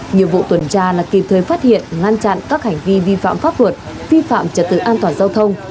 nhiệm vụ tuần tra là kịp thời phát hiện ngăn chặn các hành vi vi phạm pháp luật vi phạm trật tự an toàn giao thông